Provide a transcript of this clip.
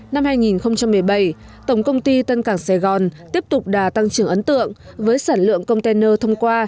năm hai nghìn một mươi bảy tổng công ty tân cảng sài gòn tiếp tục đà tăng trưởng ấn tượng với sản lượng container thông qua